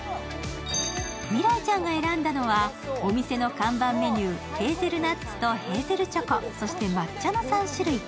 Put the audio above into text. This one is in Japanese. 未来ちゃんが選んだのはお店の看板メニュー、ヘーゼルナッツとヘーゼルチョコ、そして抹茶の３種類。